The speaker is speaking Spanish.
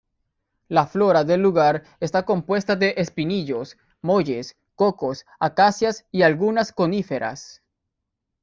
La flora del lugar está compuesta de espinillos, molles, cocos, acacias y algunas coníferas.